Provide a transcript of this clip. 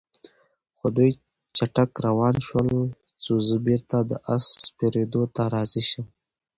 خو دوی چټک روان شول، څو زه بېرته د آس سپرېدو ته راضي شم.